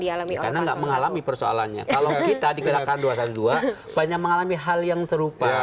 alami karena enggak mengalami persoalannya kalau kita di gerakan dua ratus dua belas banyak mengalami hal yang serupa